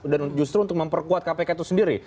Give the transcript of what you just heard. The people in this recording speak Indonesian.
dan justru untuk memperkuat kpk itu sendiri